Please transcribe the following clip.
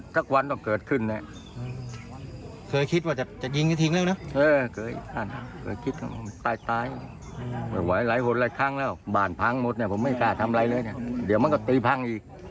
ทำไรเนี่ะเดี๋ยวทหารมันก็ตีภังอีก